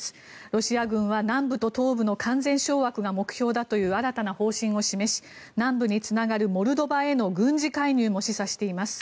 ロシア軍は南部と東部の完全掌握が目標だという新たな方針を示し南部につながるモルドバへの軍事介入も示唆しています。